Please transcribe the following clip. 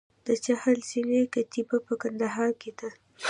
د چهل زینې کتیبه په کندهار کې ده